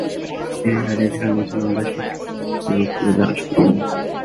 তিনি দাঁড়িয়েছিলেন মুসলমানদের শিক্ষা সম্পর্কে বক্তৃতা দেওয়ার জন্য।